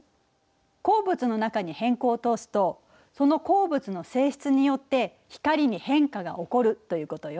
鉱物の中に偏光を通すとその鉱物の性質によって光に変化が起こるということよ。